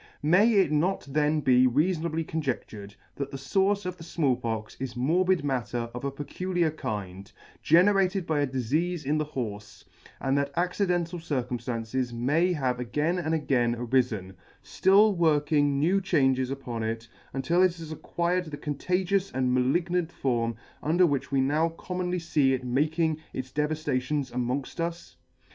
May it not then be reafonably conjedtured, that the fource of the Small Pox is morbid matter of a peculiar kind, generated by a difeafe in the horfe, and that accidental circumftances may have again and again arifen, ftill working new changes upon it, until it has acquired the contagious and malignant form under which we now commonly fee it making its devaluations amongft us